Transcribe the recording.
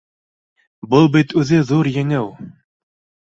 Был бит үҙе ҙур еңеү